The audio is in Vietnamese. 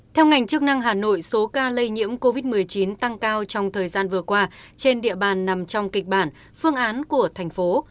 theo ngành chức năng hà nội số ca lây nhiễm covid một mươi chín tăng cao trong thời gian vừa qua trên địa bàn nằm trong kịch bản phương án của thành phố